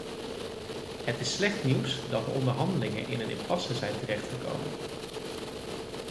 Het is slecht nieuws dat de onderhandelingen in een impasse zijn terechtgekomen.